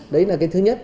đấy là cái thứ nhất